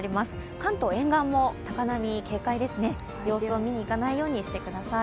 関東沿岸も高波警戒ですね、様子を見に行かないようにしてください。